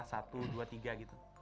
satu dua tiga gitu